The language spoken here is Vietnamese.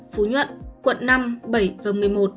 phú nhuận quận năm bảy và một mươi một